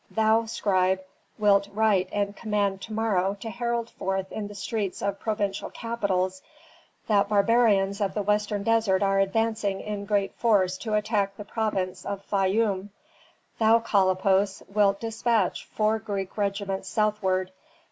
"Thou, scribe, wilt write and command to morrow to herald forth in the streets of provincial capitals that barbarians of the western desert are advancing in great force to attack the province of Fayum. Thou, Kalippos, wilt despatch four Greek regiments southward.